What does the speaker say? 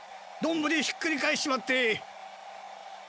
どんぶりひっくり返しちまって。